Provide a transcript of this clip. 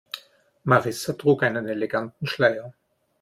Marissa trug einen eleganten Schleier.